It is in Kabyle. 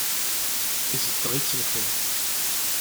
Izeddeɣ-itt lḥir.